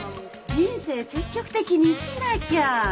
人生積極的に生きなきゃ！